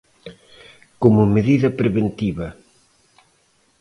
Como medida preventiva.